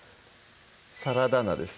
サラダ菜です